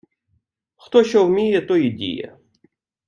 Хто що вміє, то і діє